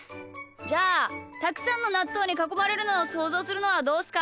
じゃあたくさんのなっとうにかこまれるのをそうぞうするのはどうっすか？